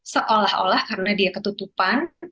seolah olah karena dia ketutupan